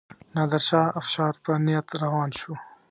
نادرشاه افشار په نیت روان شو.